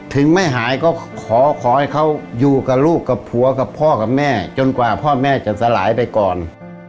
ไม่หายก็ขอขอให้เขาอยู่กับลูกกับผัวกับพ่อกับแม่จนกว่าพ่อแม่จะสลายไปก่อน